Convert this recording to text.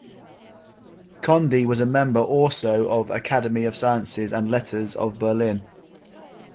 Conde was a member also of Academy of Sciences and Letters of Berlin.